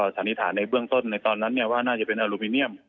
สันนิษฐานในเบื้องต้นในตอนนั้นว่าน่าจะเป็นอลูมิเนียม